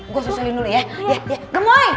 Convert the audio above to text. gue susulin dulu ya